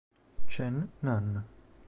Chen Nan